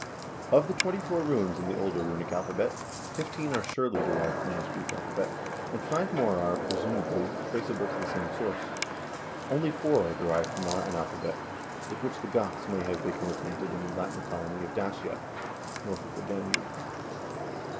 Of the twenty four runes in the older runic alphabet, fifteen are surely derived from this Greek alphabet, and five more are, presumably, traceable to the same source. Only four are derived from the Latin alphabet, with which the Goths may have become acquainted in the Latin colony of Dacia, north of the Danube.